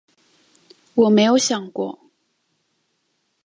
我没有想过